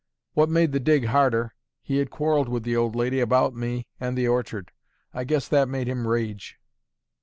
What made the dig harder, he had quarrelled with the old lady about me and the orchard: I guess that made him rage.